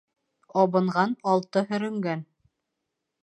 Абынған алты һөрөнгән.